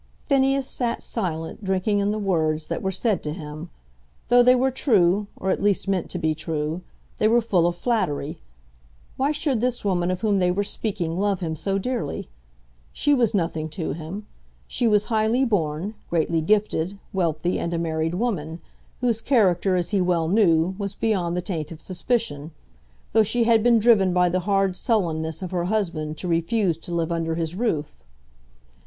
Phineas sat silent, drinking in the words that were said to him. Though they were true, or at least meant to be true, they were full of flattery. Why should this woman of whom they were speaking love him so dearly? She was nothing to him. She was highly born, greatly gifted, wealthy, and a married woman, whose character, as he well knew, was beyond the taint of suspicion, though she had been driven by the hard sullenness of her husband to refuse to live under his roof.